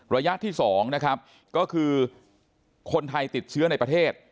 ระยะที่๒นะครับก็คือคนไทยติดเชื้อในประเทศ